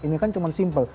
ini kan cuma simple